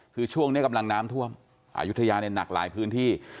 คือช่วงนี้กำลังน้ำท่วมอายุทยาเนี่ยหนักหลายพื้นที่